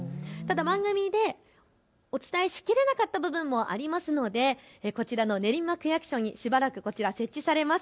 番組でお伝えしきれなかった部分もありますので、こちらの練馬区役所にしばらく設置されます。